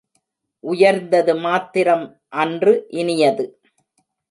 உயர்ந்தது மாத்திரம் அன்று இனியது.